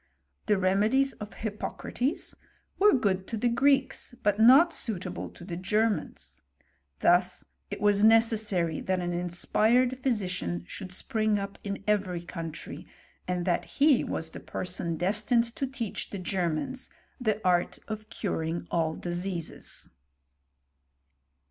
The remedies of Hippo crates were good to the Greeks, but not suitable to the Germans ; thus it was necessary that an inspired physician should spring up in every country, and that he was the person destined to teach the Germans the art of curing all diseases.